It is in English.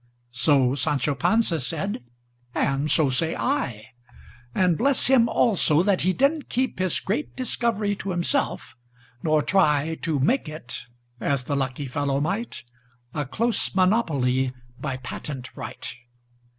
So Sancho Panza said, and so say I:And bless him, also, that he did n't keepHis great discovery to himself; nor tryTo make it—as the lucky fellow might—A close monopoly by patent right!